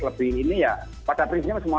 lebih ini ya pada prinsipnya semua